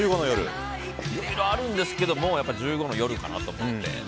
いろいろあるんですけどやっぱり「１５の夜」かなって。